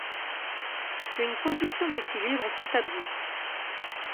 Une position d'équilibre s'établit.